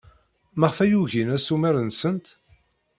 Maɣef ay ugin assumer-nsent?